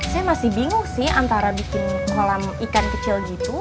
saya masih bingung sih antara bikin kolam ikan kecil gitu